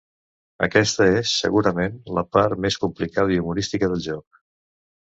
Aquesta és, segurament, la part més complicada i humorística del joc.